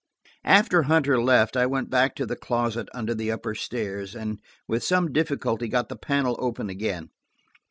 After Hunter left I went back to the closet under the upper stairs, and with some difficulty got the panel open again.